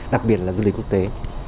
đặc biệt là du lịch quốc tế